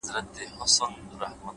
خټي کوم